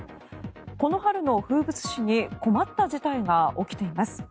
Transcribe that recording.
この春の風物詩に困った事態が起きています。